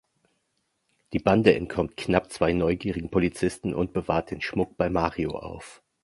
Die Bande entkommt knapp zwei neugierigen Polizisten und bewahrt den Schmuck bei Mario auf.